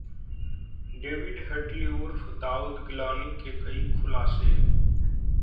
David Headley उर्फ दाउद गिलानी के कई खुलासे